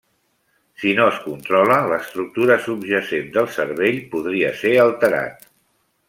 Si no es controla, l'estructura subjacent del cervell podria ser alterat.